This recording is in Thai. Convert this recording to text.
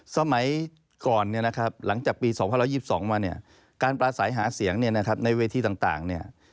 สมัยก่อนหลังจากปี๒๐๒๒มาการ์ประสัยหาเสียงในเวทีต่าง